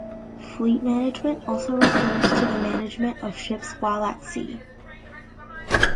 Fleet management also refers to the management of ships while at sea.